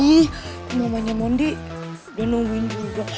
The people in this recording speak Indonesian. ih mamanya mondi udah nungguin dulu dong